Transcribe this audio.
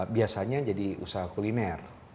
biasanya jadi usaha kuliner